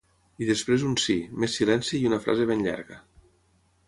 I després un sí, més silenci i una frase ben llarga.